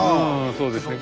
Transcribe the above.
そうですね。